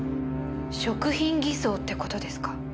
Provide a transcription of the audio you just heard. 食品偽装って事ですか？